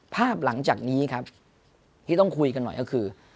ภาพหลังจากนี้ครับที่ต้องคุยกันหน่อยก็คือ